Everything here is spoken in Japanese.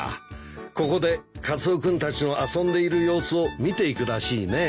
ここでカツオ君たちの遊んでいる様子を見ていくらしいね。